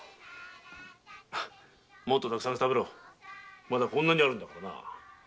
もっとたくさん食べろまだこんなにあるんだからな。